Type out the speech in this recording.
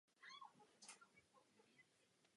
Patří do provincie Jižní Karélie.